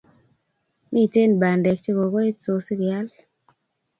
Miten Bandek che kokoit so sikeyal